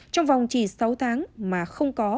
trong vòng chỉ sáu tháng mà không có